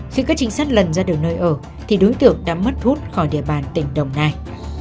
khi các trinh sát lần ra được nơi ở thì đối tượng đã mất hút khỏi địa bàn tỉnh đồng nai